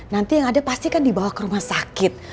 nanti yang ada pasti kan dibawa ke rumah sakit